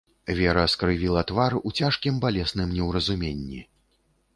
Вера скрывіла твар у цяжкім балесным неўразуменні.